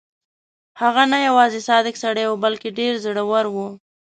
هغه نه یوازې صادق سړی وو بلکې ډېر زړه ور وو.